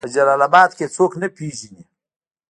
په جلال آباد کې يې څوک نه پېژني